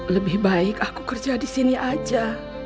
lebih baik aku kerja disini aja